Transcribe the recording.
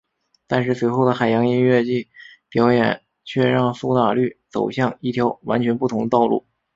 但是随后的海洋音乐季表演却让苏打绿走向一条完全不同的道路。